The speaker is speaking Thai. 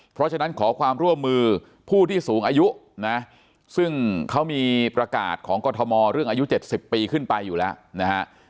เพราะฉะนั้นขอความร่วมมือผู้ที่สูงอายุนะซึ่งเขามีประกาศของกรทมเรื่องอายุ๗๐ปีขึ้นไปอยู่แล้วนะฮะ